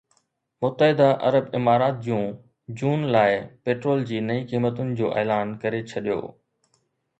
متحده عرب امارات جون جون لاءِ پيٽرول جي نئين قيمتن جو اعلان ڪري ڇڏيو